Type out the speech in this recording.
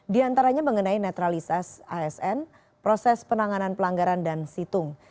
di antaranya mengenai netralisasi asn proses penanganan pelanggaran dan situng